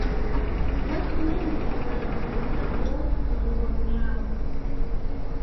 watu wengi wanamuelezea blob migogoro yao